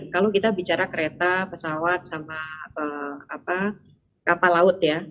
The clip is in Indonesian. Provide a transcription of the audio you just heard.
kalau kita bicara kereta pesawat sama kapal laut ya